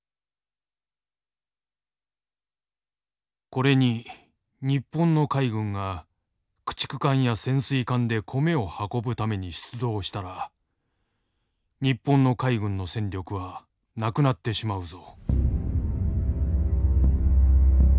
これに日本の海軍が駆逐艦や潜水艦で米を運ぶために出動したら日本の海軍の戦力はなくなってしまうぞ」。